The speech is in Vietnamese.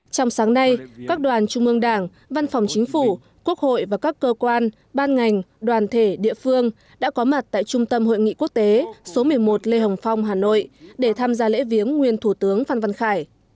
trong sáng nay các đoàn trung ương đảng văn phòng chính phủ quốc hội và các cơ quan ban ngành đoàn thể địa phương đã có mặt tại trung tâm hội nghị quốc tế số một mươi một lê hồng phong hà nội để tham gia lễ viếng nguyên thủ tướng phan văn khải